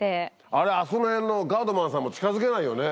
あれ、あそこら辺のガードマンさんも近づけないよね。